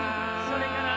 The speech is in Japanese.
「それから」